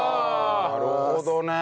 なるほどね。